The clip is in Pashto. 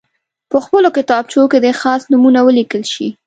په خپلو کتابچو کې دې خاص نومونه ولیکل شي.